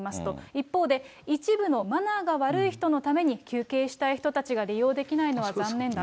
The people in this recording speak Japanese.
一方で、一部のマナーが悪い人のために、休憩したい人たちが利用できないのは残念だ。